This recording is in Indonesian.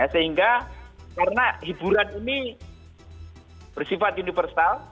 sehingga karena hiburan ini bersifat universal